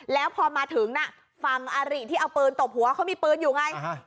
แล้วพอมาถึงน่ะฝั่งอาริที่เอาปืนตบหัวเขามีปืนอยู่ไง